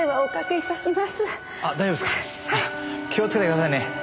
気をつけてくださいね。